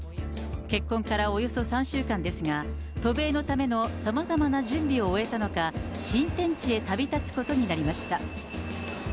結婚からおよそ３週間ですが、渡米のためのさまざまな準備を終えたのか、新天地へ旅立つことになりました。